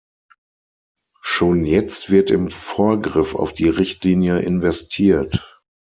Schon jetzt wird im Vorgriff auf die Richtlinie investiert.